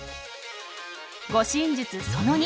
護身術その２。